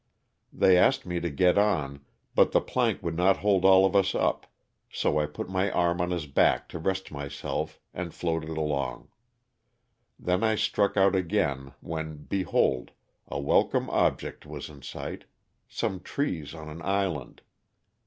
They asked me to get on but the plank would not hold all of us up so I put my arm on his back to rest myself and floated along ; then I struck out again, when, behold, a wel come object was in sight — some trees on an island.